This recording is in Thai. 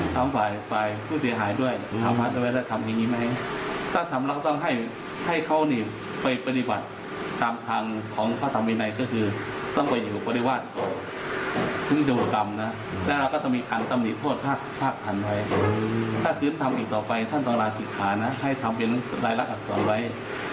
ถ้าคืนทำอีกต่อไปท่านต้องราคิดค้านะให้ทำเป็นรายรักษาต่อไว้